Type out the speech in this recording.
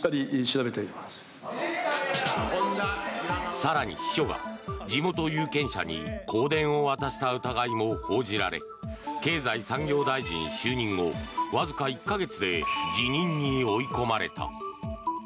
更に秘書が地元有権者に香典を渡した疑いも報じられ経済産業大臣就任後わずか１か月で辞任に追い込まれた。